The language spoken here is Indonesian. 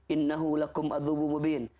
innahu lakum adzubu mubin